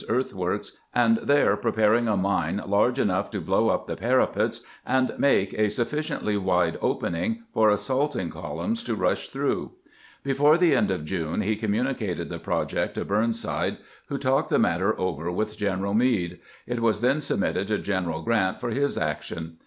earthworks, and there preparing a mine large enough to blow up the parapets and make a sufficiently wide open ing for assaulting columns to rush through. Before the end of June he communicated the project to Burnside, 258 p:^paking the peteksbueg mine 259 wlio talked the matter over with Greneral Meade. It was then submitted to General Q rant for his action.